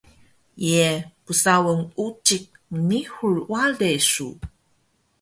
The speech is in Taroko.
Ye psaun ucik mngihur ware su?